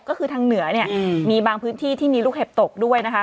ก็คือทางเหนือเนี่ยมีบางพื้นที่ที่มีลูกเห็บตกด้วยนะคะ